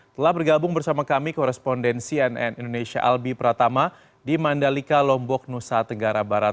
telah bergabung bersama kami koresponden cnn indonesia albi pratama di mandalika lombok nusa tenggara barat